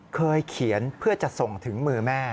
เคยเขียนเพื่อจะส่งถึงมือแม่